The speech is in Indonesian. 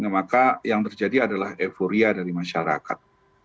maka yang terjadi adalah euforia dari masyarakat